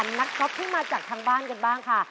นักชกที่มาจากทางบ้านกันบ้างค่ะ